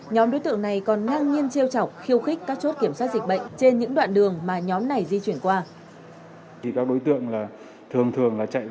nhóm đối tượng này còn ngang nhiên chiêu chọc khiêu khích các chốt kiểm soát dịch bệnh trên những đoạn đường mà nhóm này di chuyển qua